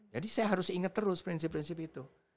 jadi saya harus inget terus prinsip prinsip itu